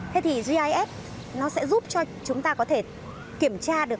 thế thì gis nó sẽ giúp cho chúng ta có thể kiểm tra được